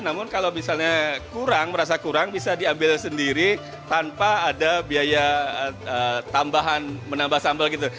namun kalau misalnya kurang merasa kurang bisa diambil sendiri tanpa ada biaya tambahan menambah sambal gitu